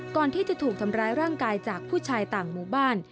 ก่อนที่จะถูกทำร้ายร่างกายจากผู้ชายต่างหมู่บ้าน